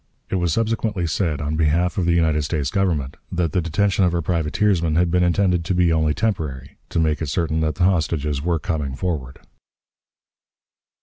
It was subsequently said, on behalf of the United States Government, that the detention of our privateersmen had been intended to be only temporary, to make it certain that the hostages were coming forward.